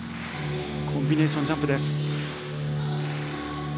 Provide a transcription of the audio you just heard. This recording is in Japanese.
コンビネーションジャンプ。